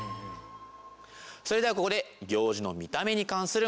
それではここで行司の見た目に関する問題です。